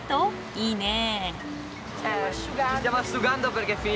いいねえ。